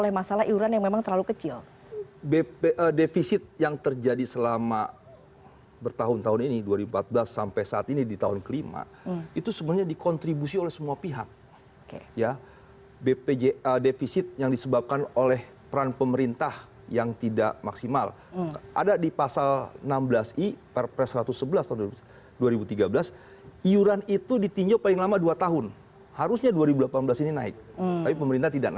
harusnya dua ribu delapan belas ini naik tapi pemerintah tidak naikkan